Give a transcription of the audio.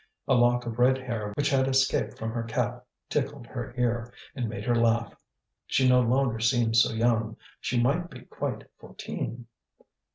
A lock of red hair which had escaped from her cap tickled her ear and made her laugh. She no longer seemed so young, she might be quite fourteen.